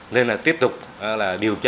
nên là tiếp tục điều tra